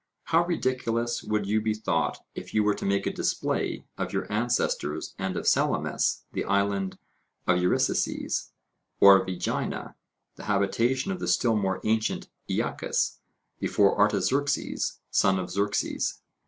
How ridiculous would you be thought if you were to make a display of your ancestors and of Salamis the island of Eurysaces, or of Aegina, the habitation of the still more ancient Aeacus, before Artaxerxes, son of Xerxes.